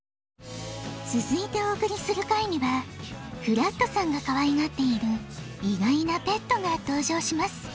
つづいておおくりする回にはフラットさんがかわいがっている意外なペットが登場します。